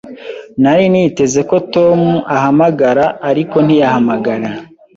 Nari niteze ko Tom ahamagara, ariko ntiyahamagara.